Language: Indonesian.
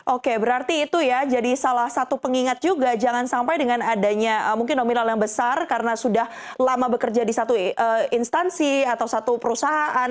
oke berarti itu ya jadi salah satu pengingat juga jangan sampai dengan adanya mungkin nominal yang besar karena sudah lama bekerja di satu instansi atau satu perusahaan